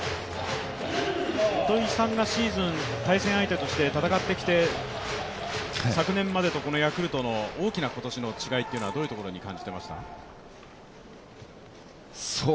糸井さんがシーズン、対戦相手として戦ってきて、昨年までとヤクルトの今年の大きな違いというのは、どういうところに感じますか。